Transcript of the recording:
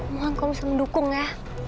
mohon kau bisa mendukung ya